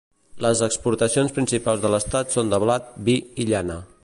Les exportacions principals de l'estat són de blat, vi i llana.